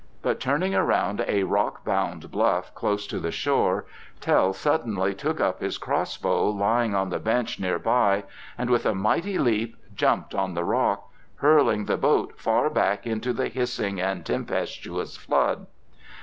But turning round a rock bound bluff close to the shore, Tell suddenly took up his cross bow lying on the bench near by, and with a mighty leap jumped on the rock, hurling the boat far back into the hissing and tempestuous flood.